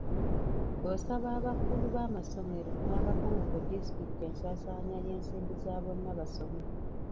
Osaba abakulu b'amasomero n'abakungu ku disitulikiti ensasaanya y'ensimbi za `Bonna Basome'.